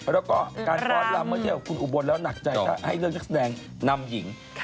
แล้วก็การฟอร์สลำเมื่อเทียบกับคุณอุบวนแล้วหนักใจให้เรื่องแสดงนำหญิง